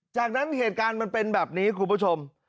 จากนั้นเหตุการณ์มันเป็นแบบนี้คุณผู้ชม